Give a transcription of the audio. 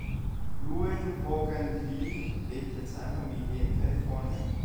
Llewellyn Vaughan-Lee lebt mit seiner Familie in Kalifornien.